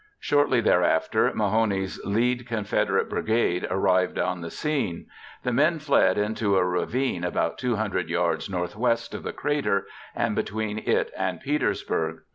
Shortly thereafter, Mahone's lead Confederate brigade arrived on the scene. The men filed into a ravine about 200 yards northwest of the crater and between it and Petersburg.